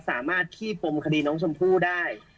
สามารถขี้ปมคดีน้องชมพู่ได้